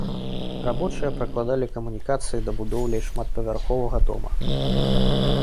Рабочыя пракладалі камунікацыі да будоўлі шматпавярховага дома.